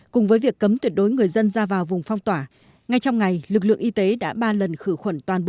cùng với việc cấm tuyệt đối người dân ra vào vùng phong tỏa ngay trong ngày lực lượng y tế đã ba lần khử khuẩn toàn bộ